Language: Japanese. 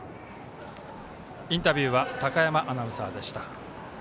インタビューは高山アナウンサーでした。